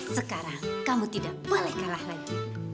sekarang kamu tidak boleh kalah lagi